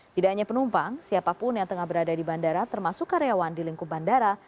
tidak hanya penumpang siapapun yang tengah berada di bandara termasuk karyawan di lingkup bandara